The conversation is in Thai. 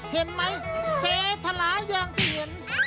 เห็นไหมเสทลาย่างเทียน